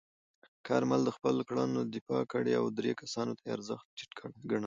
کارمل د خپلو کړنو دفاع کړې او درې کسانو ته یې ارزښت ټیټ ګڼلی.